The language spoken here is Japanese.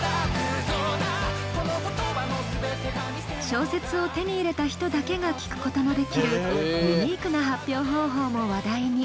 小説を手に入れた人だけが聴くことのできるユニークな発表方法も話題に。